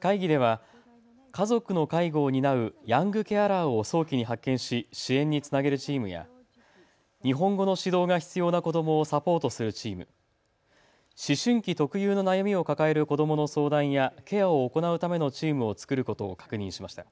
会議では家族の介護を担うヤングケアラーを早期に発見し支援につなげるチームや日本語の指導が必要な子どもをサポートするチーム、思春期特有の悩みを抱える子どもの相談やケアを行うためのチームを作ることを確認しました。